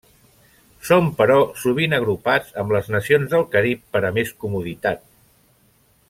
Són, però, sovint agrupats amb les nacions del Carib per a més comoditat.